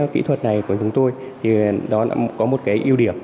kỹ thuật này của chúng tôi có một yếu điểm